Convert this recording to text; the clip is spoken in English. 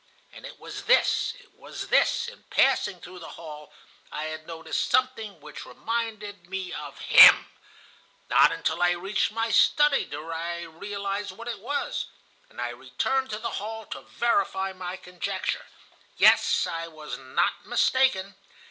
And it was this, it was this: in passing through the hall, I had noticed something which reminded me of him. Not until I reached my study did I realize what it was, and I returned to the hall to verify my conjecture. Yes, I was not mistaken.